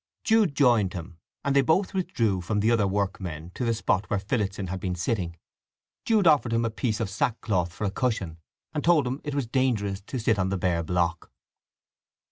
Jude joined him, and they both withdrew from the other workmen to the spot where Phillotson had been sitting. Jude offered him a piece of sackcloth for a cushion, and told him it was dangerous to sit on the bare block.